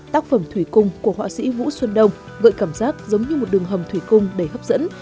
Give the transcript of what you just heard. tác phẩm thủy cung của họa sĩ vũ xuân đông gợi cảm giác giống như một đường hầm thủy cung đầy hấp dẫn